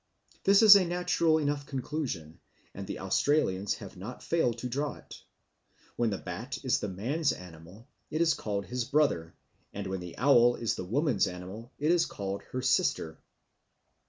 This is a natural enough conclusion, and the Australians have not failed to draw it. When the bat is the man's animal, it is called his brother; and when the owl is the woman's animal, it is called her sister.